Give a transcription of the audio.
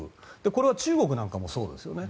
これは中国なんかもそうですね。